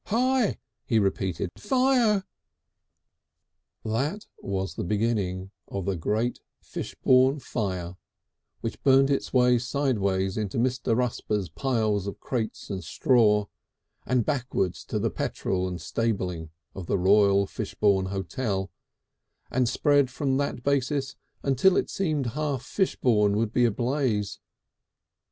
"Hi!" he repeated, "Fire!" III That was the beginning of the great Fishbourne fire, which burnt its way sideways into Mr. Rusper's piles of crates and straw, and backwards to the petrol and stabling of the Royal Fishbourne Hotel, and spread from that basis until it seemed half Fishbourne would be ablaze.